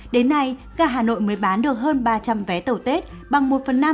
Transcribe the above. đến nay gà hà nội mới bán được hơn ba trăm linh vé tàu tết bằng một phần năm